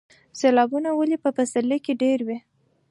سیلابونه ولې په پسرلي کې ډیر وي؟